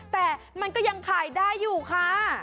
แต่มันก็ยังขายได้อยู่ค่ะ